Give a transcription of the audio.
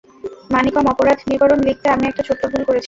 মানিকম, অপরাধ বিবরণ লিখতে আমি একটা ছোট্ট ভুল করেছিলাম।